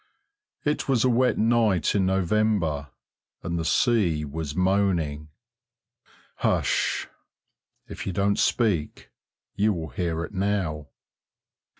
It was a wet night in November, and the sea was moaning. Hush! if you don't speak you will hear it now....